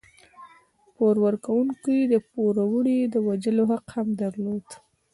پور ورکوونکو د پوروړي د وژلو حق هم درلود.